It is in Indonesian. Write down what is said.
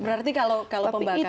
berarti kalau pembakaran